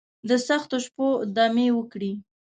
دسختو شپو، دمې وکړي